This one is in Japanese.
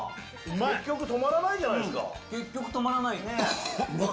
結局止まらないじゃないですか。